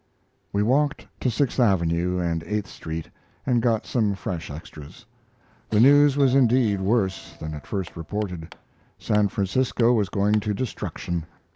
We walked to Sixth Avenue and Eighth Street and got some fresh extras. The news was indeed worse, than at first reported. San Francisco was going to destruction.